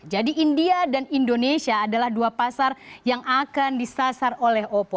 jadi india dan indonesia adalah dua pasar yang akan disasar oleh oppo